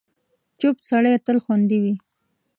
چوپ سړی، تل خوندي وي.